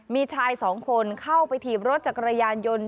มีชายสองคนเข้าไปถีบรถจักรยานยนต์